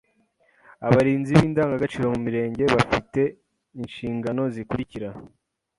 Abarinzi b’indangagaciro mu Murenge bafi te inshingano zikurikira: